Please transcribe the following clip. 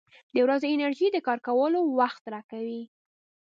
• د ورځې انرژي د کار کولو وخت راکوي.